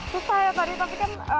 susah ya tadi tapi kan